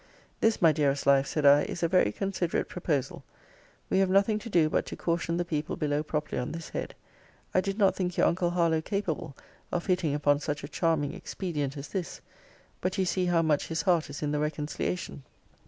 This, my dearest life, said I, is a very considerate proposal. We have nothing to do but to caution the people below properly on this head. I did not think your uncle Harlowe capable of hitting upon such a charming expedient as this. But you see how much his heart is in the reconciliation.